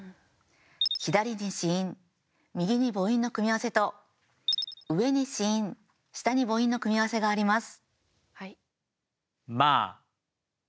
左に子音右に母音の組み合わせと上に子音、下に母音の組み合わせがあります。